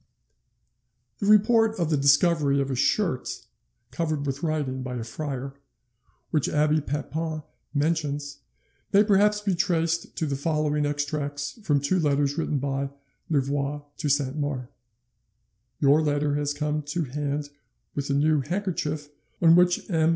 The report of the discovery of a shirt covered with writing, by a friar, which Abbe Papon mentions, may perhaps be traced to the following extracts from two letters written by Louvois to Saint Mars: "Your letter has come to hand with the new handkerchief on which M.